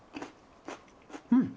うん！